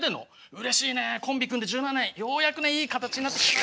うれしいねコンビ組んで１７年ようやくねいい形になって。